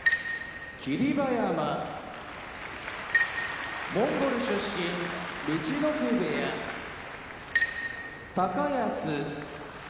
馬山モンゴル出身陸奥部屋高安